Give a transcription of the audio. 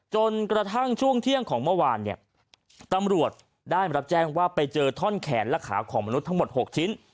จนกระทั่งช่วงเที่ยงของเมื่อวานเนี่ยตำรวจได้รับแจ้งว่าไปเจอท่อนแขนและขาของมนุษย์ทั้งหมด๖ชิ้น